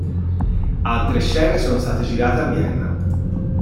Altre scene sono state girate a Vienna.